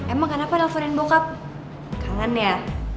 emang kenapa dapetin bokap kangen ya